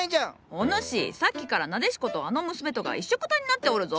お主さっきからナデシコとあの娘とがいっしょくたになっておるぞ！